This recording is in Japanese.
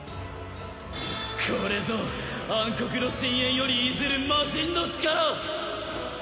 これぞ暗黒の深えんよりいずる魔神の力！